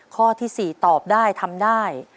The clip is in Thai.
ข้อที่๔ตอบได้ทำได้